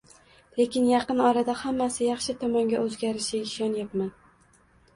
Lekin yaqin orada hammasi yaxshi tomonga o`zgarishiga ishonyapman